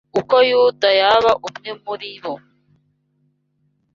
uko Yuda yaba umwe muri bo